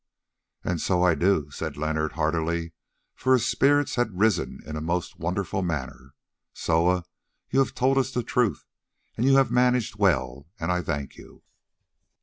"And so I do," said Leonard heartily, for his spirits had risen in a most wonderful manner. "Soa, you have told us the truth, and you have managed well and I thank you."